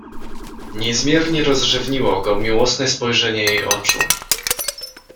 Niezmiernie rozrzewniło go miłosne spojrzenie jej oczu.